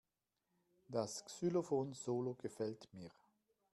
Das Xylophon-Solo gefällt mir.